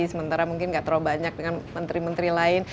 sementara mungkin nggak terlalu banyak dengan menteri menteri lain